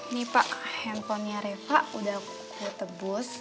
ini pak handphonenya reva udah kutebus